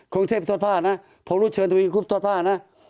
กรุงเทพฯทอดภาพนะผมรู้เชิญทวีดีกลุ่มทอดภาพนะ